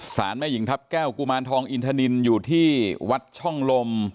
แม่หญิงทัพแก้วกุมารทองอินทนินอยู่ที่วัดช่องลม